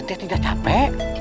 adem tidak capek